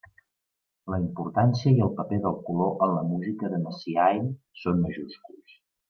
La importància i el paper del color en la música de Messiaen són majúsculs.